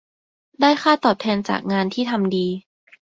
ได้ค่าตอบแทนจากงานที่ทำดี